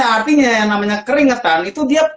artinya yang namanya keringetan itu dia